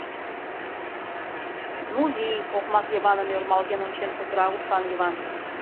Ну вий! — окмак Йываным ӧрмалген ончен кутыра ушан Йыван.